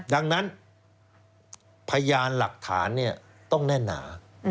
ดังนั้นพยานหลักฐานต้องแน่นหนา